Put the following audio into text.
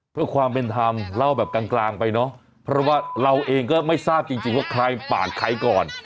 เพื่อความเป็นธรรมเล่าแบบกลางไปเนอะเพราะว่าเราเองก็ไม่ทราบจริงว่าใครปาดใครก่อน